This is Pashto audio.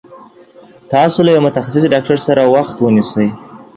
تاسو له يوه متخصص ډاکټر سره وخت ونيسي